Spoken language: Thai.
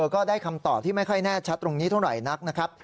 ก็ได้คำตอบที่ไม่ค่อยแน่ชัดตรงนี้เท่าไหร่นักนะครับ